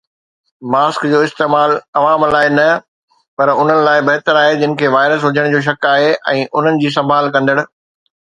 mask جو استعمال عوام لاءِ نه پر انهن لاءِ بهتر آهي جن کي وائرس هجڻ جو شڪ آهي ۽ انهن جي سنڀال ڪندڙ